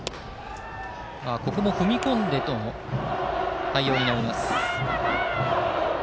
ここも踏み込んでの対応になります。